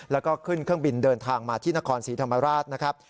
แล้วก็ขึ้นเครื่องบินเดินทางมาที่นครศรีธรรมราชนะครับ